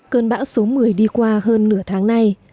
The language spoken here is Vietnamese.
cơn bão số một mươi đi qua hơn nửa tháng nay